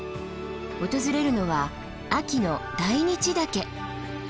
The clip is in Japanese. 訪れるのは秋の大日岳。